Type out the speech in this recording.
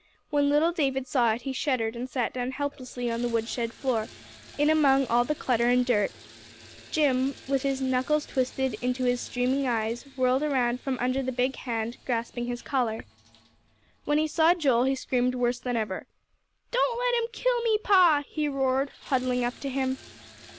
When little David saw it he shuddered and sat down helplessly on the woodshed floor, in among all the clutter and dirt. Jim, with his knuckles twisted into his streaming eyes, whirled around from under the big hand grasping his collar. When he saw Joel, he screamed worse than ever. "Don't let him kill me, Pa," he roared, huddling up to him.